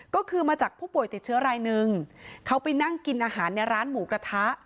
ก็คือมาจากผู้ป่วยติดเชื้อรายหนึ่งเขาไปนั่งกินอาหารในร้านหมูกระทะ